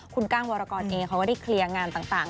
คุณกั้งวรกรเองเขาก็ได้เคลียร์งานต่าง